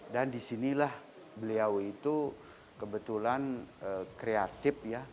dan disinilah beliau itu kebetulan kreatif ya